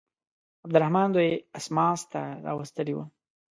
عبدالرحمن دوی اسماس ته راوستلي وه.